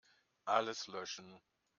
Alles löschen.